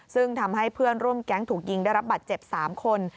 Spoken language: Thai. ซึ่งทำให้เพื่อนร่วมแก๊งถูกยิงได้รับบัตรเจ็บ๓คน